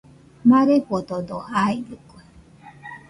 Marefododo jaitɨkue